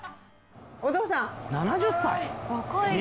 お父さん。